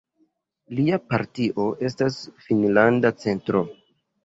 Lia partio estas Finnlanda Centro.